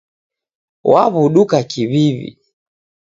Waw'uduka kiw'iw'i.